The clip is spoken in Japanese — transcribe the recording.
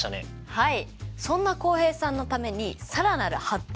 はい。